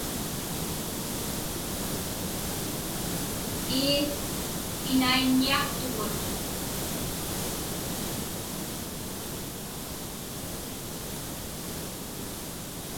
Ii, inaiññiaqtugut.